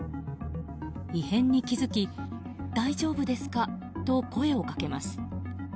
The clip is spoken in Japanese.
異変に気づき大丈夫ですかと声をかけます。